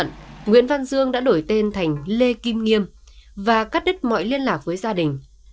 nguyễn văn dương đã đổi tên thành lê kim nghiêm và cắt đứt mọi liên lạc với gia đình